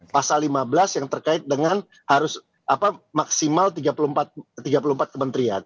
pasal lima belas yang terkait dengan harus maksimal tiga puluh empat kementerian